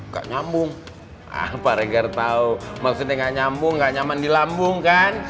gak nyambung pak regar tau maksudnya gak nyambung gak nyaman di lambung kan